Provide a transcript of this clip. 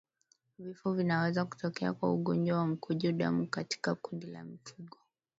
Vifo vinaweza kutokea kwa ugonjwa wa mkojo damu katika kundi la mifugo